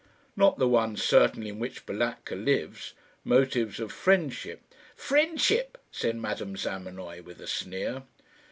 "Not the one, certainly, in which Balatka lives. Motives of friendship " "Friendship!" said Madame Zamenoy, with a sneer.